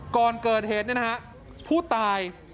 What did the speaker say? ก่อนเกิดเหตุเนี่ยนะฮะผู้ตาย